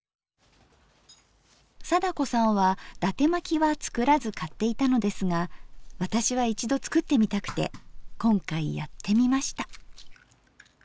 貞子さんは伊達まきは作らず買っていたのですが私は一度作ってみたくて今回やってみました。